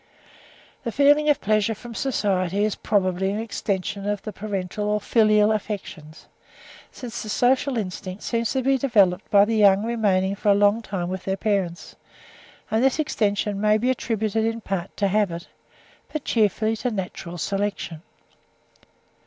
The feeling of pleasure from society is probably an extension of the parental or filial affections, since the social instinct seems to be developed by the young remaining for a long time with their parents; and this extension may be attributed in part to habit, but chiefly to natural selection.